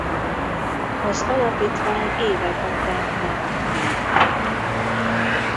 Az alapítvány évek óta nem aktív.